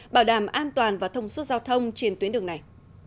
bảo đảm an toàn và thông suốt giao thông trên tuyến đường này